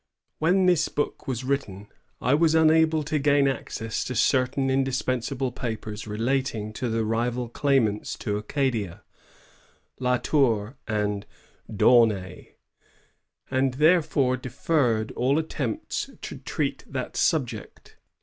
Whxn this book wss written, I was unable to gain access to certain indispensable papers relair mg to the rival claimants to Acadia, — La Tour and D' Aunay, — and therefore deferred all at tempts to treat that subject.